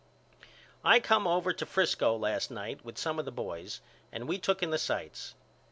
I come over to Frisco last night with some of the boys and we took in the sights.